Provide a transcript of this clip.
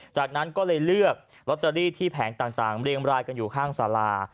จากนั้นก็เลยเลือกลอตเตอรี่ที่แผงต่างเรียงรายกันอยู่ข้างสารา